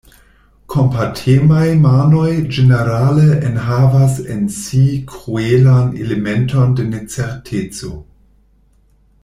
Kompatemaj manoj ĝenerale enhavas en si kruelan elementon de necerteco.